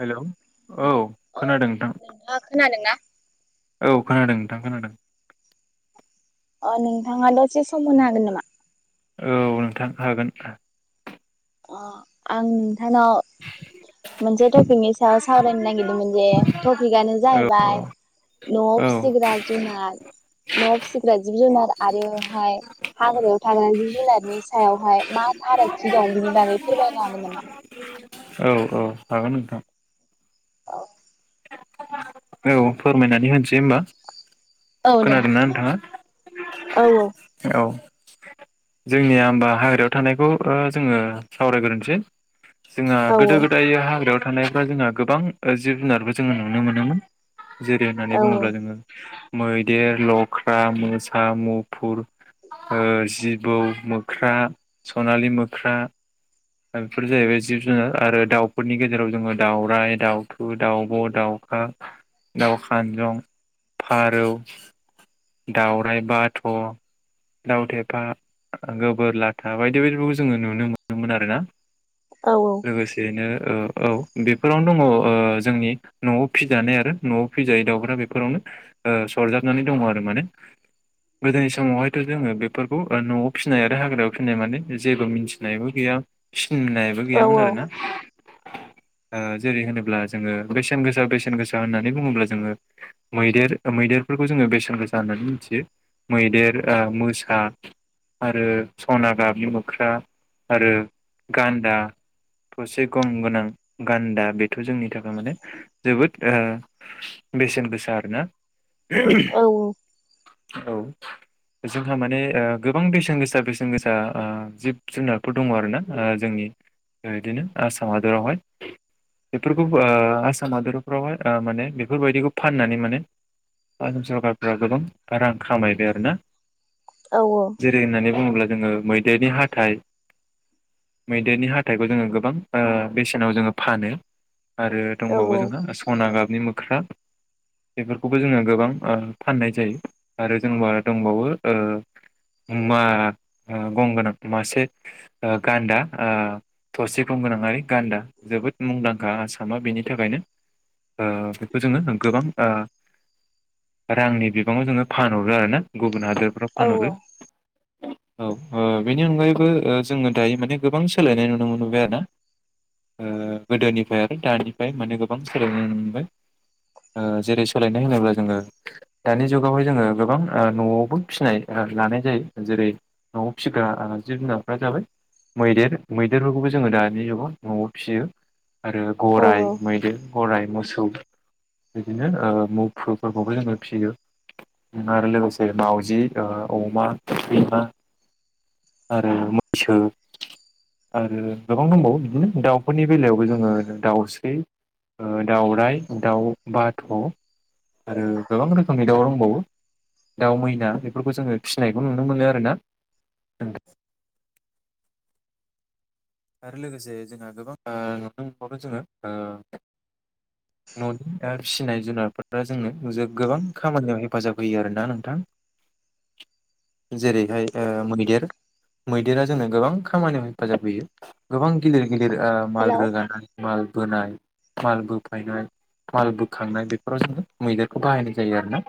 Hello औ खोनादों नोंथां नोंथाङा खोनादोंना? औ खोनादों नोंथां खोनादों अ नोंथाङा दसे सम होनो हागोन नामा? औ नोंथां हागोन अ आं [unintelligible] मोनसे ट'पिकनि सायाव सावरायनो नागिरदोंमोन जे टपिकआनो जाहैबाय औ न'आव औ फिसिग्रा जुनार न'याव फिसिग्रा जिब जुनार आरोहाय हाग्रायाव थाग्रा जिब जुनारनि सायावहाय मा फारागथि दं बिनि बागै फोरमायनो हागोन नामा? औ औ हागोन नोंथां औ [unintelligible] औ फोरमायनानै होनसै होमबा औ दे खोनादोंना नोंथाङा औ [unintelligible] औ जोंनिया होमबा हाग्रायाव थानायखौ ओ जोङो सावरायग्रोनसै जोंहा औ गोदो गोदाय हाग्रायाव थानायफ्रा जोंहा गोबां जिब जुनारबो जोङो नुनो मोनोमोन जेरै होननानै औ बुङोब्ला जोङो मैदेर लख्रा मोसा मुफुर ओ जिबौ मोख्रा स'नालि मोख्रा दा बेफोर जाहैबाय जिब जुनार आरो दाउफोरनि गेजेराव जोङो दाउराइ दाउथु दाउब' दाउखा दाउ खानजं फारौ दावराइ बाथ' दावथेफा गोबोर लाथा बायदि बायदिफोरखौ जोङो नुनो मोनोमोन आरो ना औ लोगोसेयैनो ओ औ बेफोरावनो दङ ओ जोंनि न'आव फिजानाय आरो न'आव फिजायै दाउफोरा बेफोरावनो ओ सरजाबनानै दङ आरो माने गोदोनि समावहायथ' जोङो बेफोरखौ न'आव फिनाय आरो हाग्रायाव फिनाय माने जेबो मिन्थिनायबो गैया होननायबो औ गैयामोन आरो ना ओ जेरै होनोब्ला जोङो बेसेन गोसा बेसेन गोसा होननानै बुङोब्ला जोङो मैदेर मैदेरफोरखौ जोङो बेसेन गोसा होननानै मिथियो मैदेर ओ मोसा आरो सना गाबनि मोख्रा आरो गान्दा थसे गं गोनां गान्दा बेथ' जोंनि थाखाय माने जोबोद ओ बेसेन गोसा आरोना [inaudible] औ जोंहा माने ओ गोबां बेसेन गोसा बेसेन गोसा ओ जिब जुनारफोर दङ आरो ना ओ जोंनि बिदिनो आसाम हादरावहाय बेफोरखौ ओ आसाम हादरफ्रावहाय ओ माने बेफोरबायदिखौ फाननानै माने आसाम सरकारफ्रा गोबां रां खामायबाय आरोना। [inaudible] जेरै होननानै बुङोबा अब्ला जोङो मैदेरनि हाथाइ [inaudible] मैदेरनि हाथाइखौ जोङो गोबां ओ बेसेनाव जोङो फानो आरो दंबावो औ जोंहा सना गाबनि मो ख्रा बेफोरखो बेखौबो जोङो गोबां ओ फाननाय जायो आरो जोंहा दंबावो ओ मा गंगोनां मासे गान्दा ओ थसे गंगोनांयारि गान्दा जोबोद मुंदांखा आसामा बेनि थाखायनो [inaudible] ओ बेखौ जोङो गोबां ओ [inaudible] रांनि बिबाङाव जोङो फानहरो आरोना गुब गुबुन हादोरफ्राव औ फानहरो औ ओ बेनि अनगायैबो ओ जोङो दायो माने गोबां सोलायनाय नुनो मोनबोबाय आरो ना ओ गोदोनिफ्राय आरो दानिफ्राय माने गोबां सोलायनाय नुनो मोनबाय ओ जेरै सोलायनाय होनोब्ला जोङो दानि जुगावहाय जोङो गोबां न'आवबो फिसिनाय लानाय जायो जेरै न'आव फिसिग्रा जिब जुनारफ्रा जाबाय मैदेर मैदेरफोरखौबो जोङो दानि जुगाव न'आव फियो आरो गराय औ मैदेर गराय मोसौ बिदिनो ओ मुफुफोरखौबो जोङो फियो आरो लोगोसे मावाजि ओ अमा सैमा आरो मैसो आरो गोबां दंबावो बिदिनो दाउफोरनि बेलायावबो जोङो दाउस्रि ओ दाउराइ दाउ बाथ' आरो गोबां रोखोमनि दाउ दंबावो दाउ मैना बेफोरखौ जोङो फिसिनायखौ नुनो मोनो आरोना आरो लोगोसे जोंहा ओ गोबां नुनो मोनबावो जोङो ओ न'नि आरो फिनाय जुुनारफोर दा जोंनो गोबां खामानियाव हेफाजाब होयो आरोना नोंथां जेरैहाय ओ मैदेर मैदेरा जोंनो गोबां खामानियाव हेफाजाब होयो गोबां गिलिर गिलिर माल हेलौ रोगानाय माल बोनाय माल बोफायनाय माल बोखांनाय बे फ्राव जोङो मैदेरखौ बाहायनाय जायो आरोना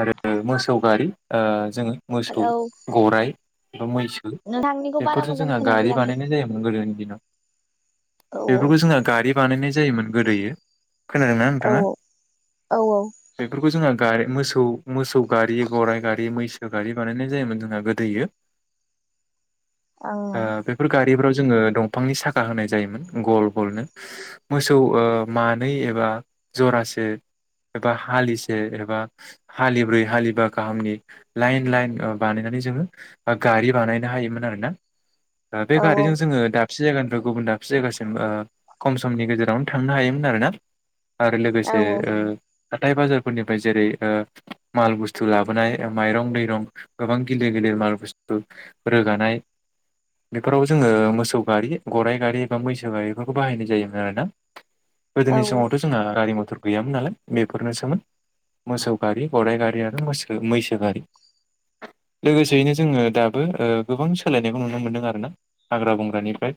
आरो मोसौ गारि ओ जोङो मोसौ हेलौ गराइ बा मैसो नोंथांनिखौ बारा बेफोरजों मोजां जोंहा गारि खोनाफैयाखै बानायनाय जायोमोन गोदोनि दिनाव औ औ बेफोरखौ जोंहा गारि बानायनाय जायोमोन गोदोयो खोनादोंना औ नोंथाङा औ बेफोरखौ जोंहा गारि मोसौ मोसौ गारि गराइ गारि मैसो गारि बानायनाय जायोमोन जोंहा गोदोयो ओ आं बेफोर गारिफोराव जोङो दंफांनि साखा होनाय जायोमोन गल गलनो मोसौ मानै एबा जरासे। एबा हालिसे एबा हालिब्रै हालिबा गाहामनि लाइन लाइन बानायनानै जोङो गारि बानायनो हायोमोन आरोना। ओ बे औ गारिजों जोङो दाब दाबसे जायगानिफ्राय गुबुन दाबसे जायगासिम ओ खम समनि गेजेरावनो थांनो हायोमोन आरोना आरो औ ए ओ हाथाइ बाजारफोरनिफ्राय जेरै माल बुस्थु लाबोनाय माइरं दैरं गोबां गिलिर गिलिर माल बुस्थु रोगानाय बेफोराव जोङो मोसौ गारि गराइ गारि एबा मैसो गारिफोरखौ बाहायनाय जायोमोन आरोना। औ गोदोनि समावथ' जोंहा गारि मथर गैयामोन नालाय बेफोरनोसोमोन मोसौ गारि गराइ गारि आरो मोस मैसो गारि लोगोसेयैनो जोङो दाबो गोबां सोलायनायखौ नुनो मोनदों आरोना हाग्रा बंग्रानिफ्राय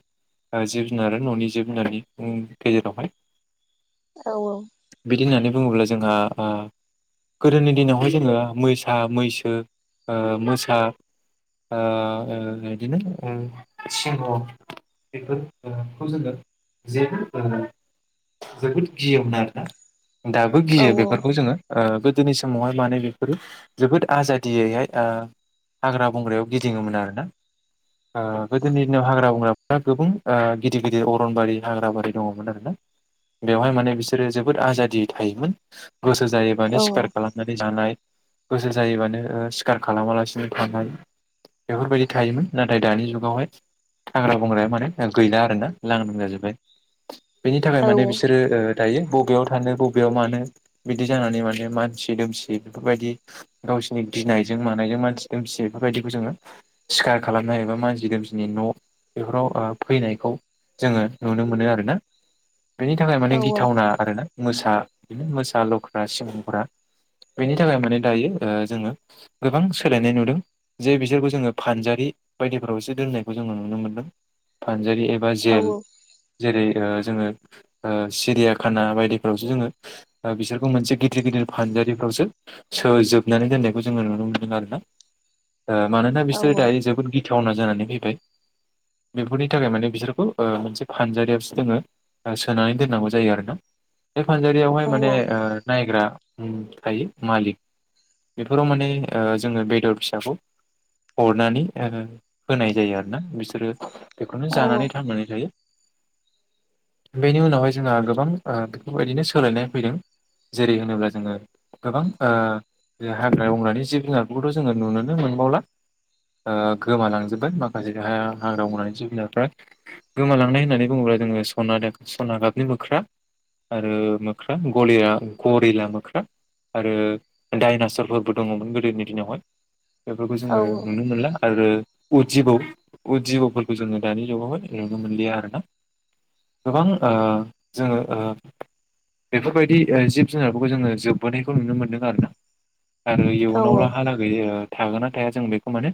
जिब जुनार आरो न'नि जिब जुनारनि गेजेरावहाय औ औ बिदि होननानै बुङोब्ला जोंहा गोदोनि दिनावहाय जोङो मोसा मैसो मोसा ओ बिदिनो ओम सिंह' बेफोरखौ जोङो जेबो जोबोद गियोमोन आरो दा दाबो औ गियो बेफोरखौ जोङो ओ गो गोदोनि समावहाय माने बेफोरो जोबोद आजादियैहाय हाग्रा बंग्रायाव गिदिङोमोन आरोना गोदोनि दिनाव हाग्रा बंग्राफोरा गोबां गिदिर गिदिर अरनबारि हाग्रा बारि दङमोन आरोना बेवहाय माने बिसो बिसोरो जोबोर आजादियै थायोमोन। गोसो जायोबानो औ सिखार खालामनानै जानाय गोसो जायोबानो सिखार खालामालासिनो थानाय बेफोरबायदि थायोमोन नाथाय दानि जुगावहाय हाग्रा बंग्राया माने गैला आरोना [unintelligible] बेनि थाखाय औ माने बिसोरो ओ दायो बबेयाव थानो बबेयाव मानो बिदि जानानै माने मानसि दोमसि बेफोरबायदि गावसिनि गिनायजों मानायजों मानसि दोमसि बेफोरबायदिखौ जोङो सिखार खालामनो एबा मानसि दोमसिनि न' बेफोराव ओ फैनायखौ जोङो नुनो मोनो आरोना बेनि थाखाय माने औ गि थावना आरोना मोसा मोसा लख्रा सिमंफोरा बेनि थाखाय माने दायो जोङो गोबां सोलायनाय नुदों जे बिसोरखौ जोङो फानजारि बायदिफोरावसो दोननायखौ जोङो नुनो मोनदों। फानजारि एबा जेल जेरै ओ जोङो ओ सिरियाखाना बायदिफ्रावसो जोङो ओ बिसोरखौ मोनसे गिदिर गिदिर फानजारिफ्रावसो सोजोबनानै दोननायखौ जोङो नुनो मोनदों आरोना। ओ मानोना बिसोरो दायो जोबोद गि थावना जानानै फैबाय बेफोरनि थाखाय माने बिसोरखौ ओ मोनसे फानजारियावसो जोङो ओ सोनानै दोननांगौ जायो आरो ना। बे फानजारियावहाय माने ओ नायग्रा उम थायो मालिक बेफोराव माने ओ जोङो बेदर फिसाखौ हरनानै ओ हो होनाय जायो आरोना बिसोरो बेखौनो जानानै थांनानै थायो। बेनि उनावहाय ज जोंहा गोबां ओ बेफोरबायदिनो सोलायनाय फैदों। जेरै होनोब्ला जोङो गोबां ओ जोंहा हाग्रा बंग्रानि जिब जुनारफोरखौथ' जोङो नुनोनो मोनबावला, ओ गोमालांजोब्बाय माखासे जोंहा हाग्रा बंग्रानि जिब जुनारफ्रा गोमालांनाय होननानै बुङोब्ला जोङो सना [unintelligible] [unintelligible] नो मोख्रा आरो मोख्रा गलिया गरिला मोख्रा आरो डाइनासरफोरबो दङ'मोन गोदोनि दिनावहाय बेफोरखौ जोङो नुनो मोनला आरो उद जिबौ उदजिबौफोरखौ जोङो दानि जुगावहाय नुनो मोनलिया आरोना गोबां ओ जोङो ओ बेफोरबायदि ओ जिब- जुनारफोरखौ जोङो जोबबोनायखौ नुनो मोनदों आरोना। आरो इयुनाव लाहालागै ओ थागोना थाया जों बेखौ माने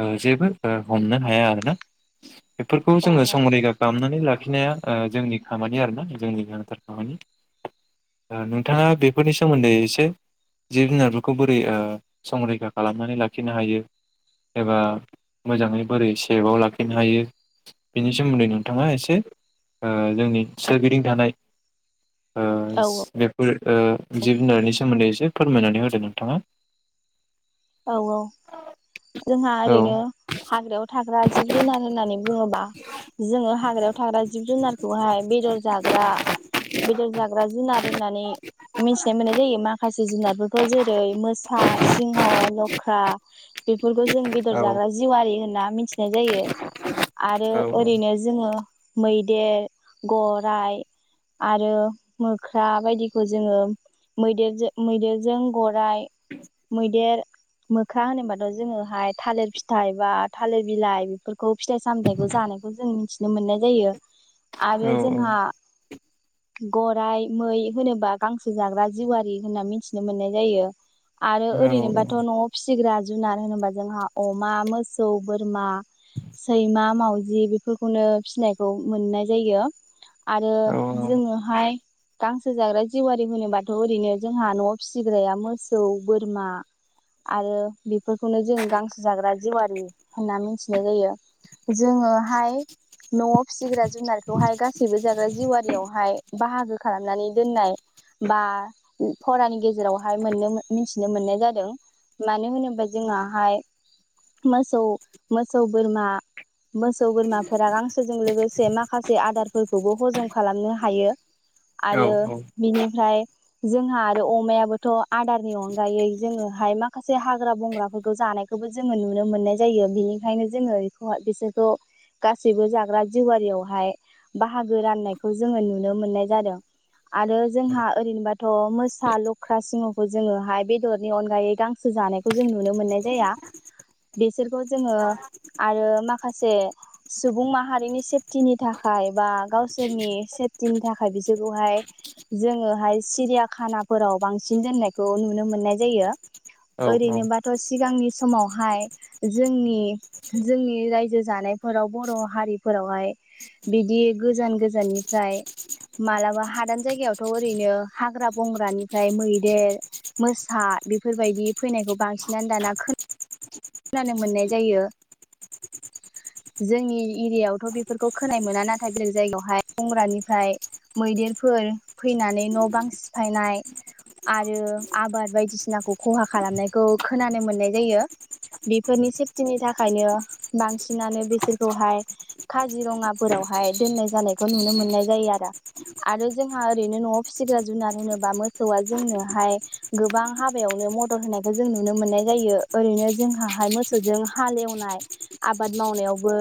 ओ जेबो ओ हमनो हाया आरोना बेफोरखौ जोङो संरैखा खालामनानै ला खिनाया ओ जोंनि खामानि आरो आ जोंनि गोनांथार खामानि ओ नोंथाङा बेफोरनि सोमोन्दै एसे जिब -जुनारफोरखौ बोरै ओ संरैखा खालामनानै लाखिनो हायो एबा मोजाङै बोरै सेभाव लाखिनो हायो बेनि सोमोन्दै नोंथाङा एसे ओ जोंनि सोरगिदिं थानाय ओ औ औ ज बेफोर ओ जिब- जुनारनि सोमोन्दै एसे फोरमायनानै होदो नोंथाङा औ औ जोंहा औ ओरैनो हाग्रायाव थाग्रा जिब -जुनार होननानै बुङोबा जोङो हाग्रायाव थाग्रा जिब- जुनारखौहाय बे जाग्रा बेदर जाग्रा जुनार होननानै मिथिनाय मोननाय जायो माखासे जुनारफोरखौ जेरै मोसा सिंह लख्रा बेफोरखौ जों बेदर औ जाग्रा जिवारि होनना आ [inaudible] मिथिनाय जायो आरो औ ओरैनो जोङो मैदेर गराइ आरो मोख्रा बायदिखौ जोङो मैदेरजों गराइ मैदेर मोखर मैदेर होनोबा ओ आरो जोङोहाय थालिर फिथाइ बा थालिर बिलाइ बेफोरखौ फिथाइ सामथायाइखौ जानायखौ जों मिथिनो मोननाय जायो आरो औ जोंहा गराइ मै होनोबा गांसो जाग्रा जिवारि होनना मिथिनो मोननाय जायो आरो औ औ ओरैनोबाथ नआव फिसिग्रा जुनार होनोबा जोंहा अमा मोसौ बोरमा सैमा मावजि बेफोरखौनो फिसिनायखौ मोननाय जायो आरो औ औ जोङो हाय गांसो जाग्रा जिवारि होनोबाथ' ओरैनो जोंहा नआव फिसिग्राया मोसौ बोरमा आरो बेफोरखौनो जों गांसो जाग्रा जिेवारि होनना मिथिनाय जायो जोङोहाय नआव फिसिग्रा जुनारखौहाय गासैबो जाग्रा जिवारियावहाय बाहागो खालामनानै दोननाय बा फरानि गेजेराव हाय मोनथिनो मोननाय जादों मानो होनोब्ला ओ जोंहाय मोसौ बोरमा मोसौ बोरमाफोरा गांसोजों लोगोसे माखासे आदारफोरखौबो हजम खालामनो हायो औ आरो औ बिनिफ्राय जोंहा आरो अमायाबोथ‌ आदारनि अनगायै जोङो हाय माखासे हाग हाग्रा बंग्राफोरखौ जानायखौबो जोङो नुनो मोननाय जायो बिनिखायनो जोङो बेखौ बिसोरखौ गासैबो जाग्रा जिेवारियावहाय बाहागो राननायखौ जोङो नुनो मोननाय जादों आरो जोंहा ओरैनोबाथ मोसा लख्रा सिंहखौ जोङोहाय बेदरनि अनगायै गांसो जानायखौ जों नुनो मोननाय जाया बिसोरखौ जोङो आरो माखासे सुबुं माहारिनि सेफथिनि थाखाय बा गावसोरनि सेफटथनि थाखाय बिसोरखौहाय जोङोहाय सिरियाखानाफोराव बांसिन दोननायखौ नुनो मोननाय जायो। औ ओरैनोबाथ सिगांनि समावहाय जोंनि जोंनि रायजो जानायफोराव बर हारिफोरावहाय बिदि गोजान गोजाननिफ्राय मालाबा हादान जायगायावथ ओरैनो हाग्रा बंग्रानिफ्राय मैदेर मोसा बेफोरबायदि फैनायखौ बांसिनानो दाना खोन खोनानो मोननाय जायो जोंनि एरियावथ बेफोरखौ खोनाय मोना नाथाय बेलेग जायगायावहाय बंग्रानिफ्राय मैदेरफोर फैनानै न बां सिफायनाय आरो आबाद बायदिसिनाखौ खहा खालामनायखौ खोनानो मोननाय जायो। बेफोरनि सेफटिनि थाखायनो बांसिनानो बिसोरखौहाय काजिरङाफोरावहाय दोननाय जानायखौ नुनो मोननाय जायो आरो आरो जोंहा ओरैनो नआव फिसिग्रा जुनार होनोबा मोसौआ जोंनोहाय गोबां हाबायावनो मदद होनायखौ जों नुनो मोननाय जायो ओरैनो जोंहा मोसौजों हाल एवनाय आबाद मावनायावबो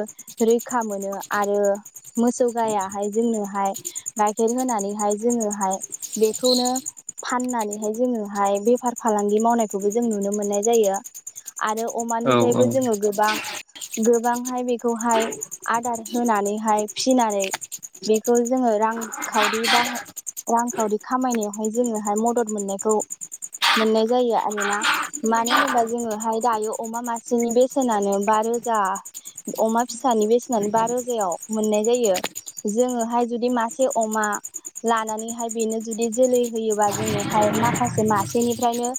रैखा मोनो आरो मोसौ गायाहाय जोंनोहाय गाइखेर होनानैहाय जोङोहाय बेखौनो फाननानैहाय जोङोहाय बेफार फालांगि मावनायखौबो जों नुनो मोननाय जायो आरो औ अमानिफ्रायबो जोङो गोबां गोबांहाय बेखौहाय आदार होनानैहाय फिनानै बेखौ जोङो रांखाउरि बाहायनाय रांखावरि खामायनायावहाय जोङोहाय मदद मोननायखौ मोननाय जायो आरोना मानो होनोबा जोङोहाय दायो अमा मासेनि बेसेनानो बा रोजा अमा फिसानि बेसेनानो बा रोजायाव मोननाय जायो जोङोहाय जुदि मासे अमा लानानैहाय बेनो जुदि जोलै होयोबा जोङोहाय माखासे मासेनिफ्रायनो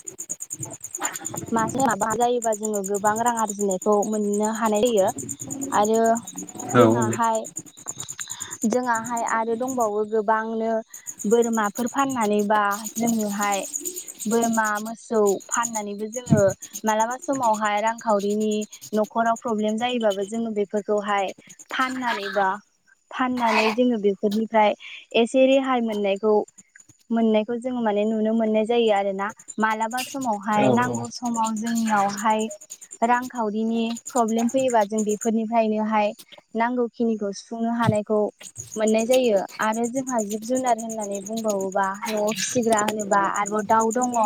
मासेया माबा जायो। बा गोबां रां आरजिनायखौ मोननो हानाय जायो आरो औ जोंआहाय जोंआहाय आरो दंबावो गोबांनो बोरमाफोर फाननानैहाय बा जोङोहाय बोरमा मोसौ फाननानैबो जोङो मालाबा समावहाय रांखावरिनि न'खराव प्रब्लेम जायोबाबो जोङो बेफोरखौहाय फाननानैबा फाननानै जोङो बेफोरनिफ्राय एसे रेहाय मोननायखौ मोननायखौ जों माने नुनो मोननाय जायो आरोना मालाबा समावहाय औ औ नांगौ समाव जोंनियाव हाय रांखावरिनि प्रब्लेम फैयोबा जों बेफोरनिफ्रायनोहाय नांगौखिनिखौ सुफुंनो हानायखौ मोननाय जायो आरो जोंहा जिब जुनार होननानै बुंबावोबा नआव फिसिग्रा होनोबा आरोबाव दाउ दङ